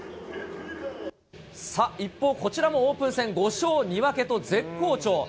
さあ、一方、こちらもオープン戦５勝２分けと絶好調。